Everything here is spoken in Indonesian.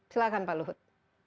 silakan pak luhut